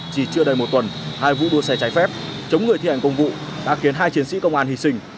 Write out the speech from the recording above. chỉ chưa đầy một tuần hai vụ đua xe trái phép chống người thi hành công vụ đã khiến hai chiến sĩ công an hy sinh